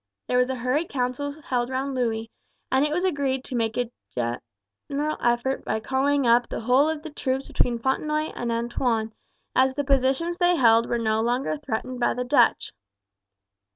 There was a hurried council held round Louis, and it was agreed to make a great effort by calling up the whole of the troops between Fontenoy and Antoin, as the positions they held were no longer threatened by the Dutch.